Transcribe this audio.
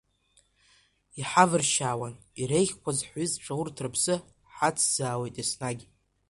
Иҳавыршьаауан иреиӷьқәаз ҳҩызцәа, урҭ рыԥсы ҳацзаауеит, еснагь.